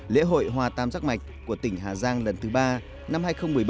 lễ hội hoa tam giác mạch của tỉnh hà giang lần thứ ba năm hai nghìn một mươi bảy